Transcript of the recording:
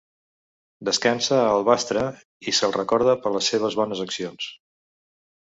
"Descansa a Alvastra i se'l recorda per les seves bones accions".